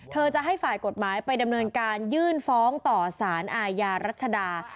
เธอจะให้ฝ่ายกฎหมายไปดำเนินการยื่นฟ้องต่อสารอาญารัชดา